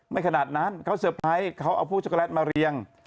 ขนาดนั้นเขาเซอร์ไพรส์เขาเอาพวกช็อกโลตมาเรียง